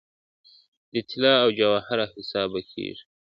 د طلا او جواهر حساب به کیږي ..